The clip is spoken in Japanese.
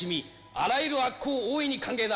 あらゆる悪口大いに歓迎だ！